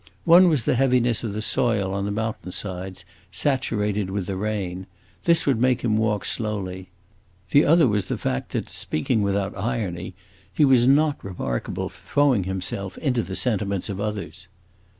One was the heaviness of the soil on the mountain sides, saturated with the rain; this would make him walk slowly: the other was the fact that, speaking without irony, he was not remarkable for throwing himself into the sentiments of others.